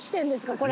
これ。